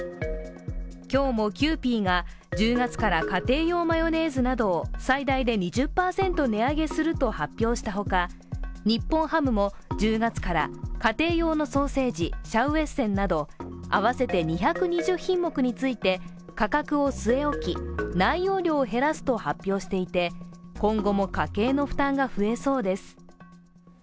今日もキユーピーが１０月から家庭用マヨネーズなどを最大で２０％値上げすると発表したほか、日本ハムも１０月から家庭用のソーセージ、シャウエッセンなど合わせて２２０品目について価格を据え置き内容量を減らすと発表していて今後も家計の負担が増えそうです。